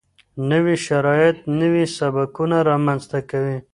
نوي شرایط نوي سبکونه رامنځته کوي.